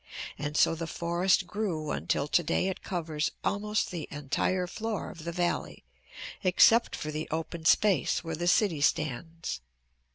And so the forest grew until today it covers almost the entire floor of the valley except for the open space where the city stands.